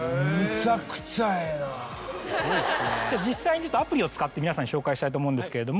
実際にアプリを使って皆さんに紹介したいと思うんです。